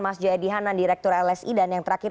mas jaya dihanan direktur lsi dan yang terakhir